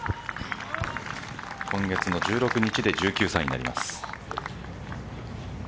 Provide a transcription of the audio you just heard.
今月の１６日で１９歳になります。